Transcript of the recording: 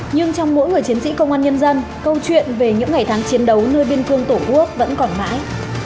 nhưng trong mỗi người chiến sĩ công an nhân dân câu chuyện về những ngày tháng chiến đấu nơi biên cương tổ quốc vẫn còn mãi